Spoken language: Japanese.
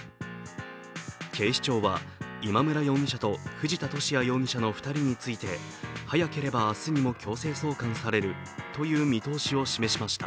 警視庁は、今村容疑者と藤田聖也容疑者の２人について早ければ明日にも強制送還されるという見通しを示しました。